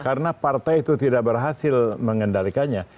karena partai itu tidak berhasil mengendalikannya